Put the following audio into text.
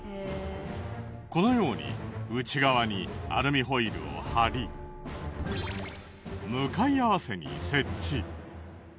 このように内側にアルミホイルを貼り向かい合わせに設置。